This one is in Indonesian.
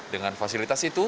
dengan fasilitas itu